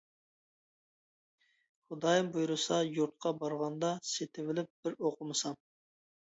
خۇدايىم بۇيرۇسا يۇرتقا بارغاندا سېتىۋېلىپ بىر ئوقۇمىسام.